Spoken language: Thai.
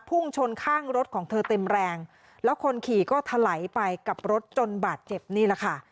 พุ่งชนข้างรถของเธอเต็มแรงแล้วคนขี่ก็ถลายไปกับรถจนบาดเจ็บนี่แหละค่ะ